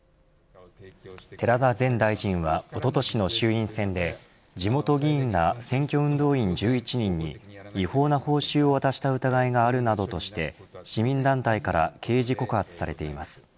寺田前大臣はおととしの衆院選で地元議員ら選挙運動員１１人に違法な報酬を渡した疑いがあるなどとして市民団体から刑事告発されています。